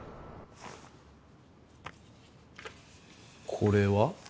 これは？